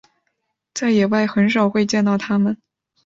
在野外很少会见到它们。